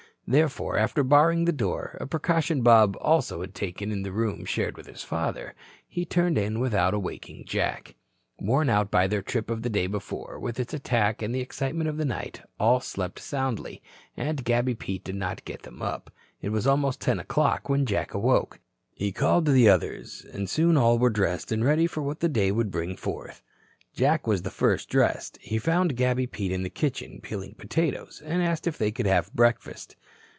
Therefore, after barring the door, a precaution Bob also had taken in the room shared with his father, he turned in without awaking Jack. Worn out by their trip of the day before with its attack and the excitement of the night, all slept soundly, and Gabby Pete did not get them up. It was almost 10 o'clock when Jack awoke. He called the others, and soon all were dressed and ready for what the day would bring forth. Jack was the first dressed. He found Gabby Pete in the kitchen, peeling potatoes, and asked if they could have breakfast.